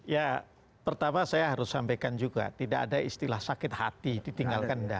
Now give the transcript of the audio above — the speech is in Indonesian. ya pertama saya harus sampaikan juga tidak ada istilah sakit hati ditinggalkan enggak